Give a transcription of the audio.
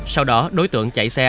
sau đó đối tượng chạy xe